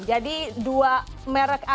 jadi dua merek lainnya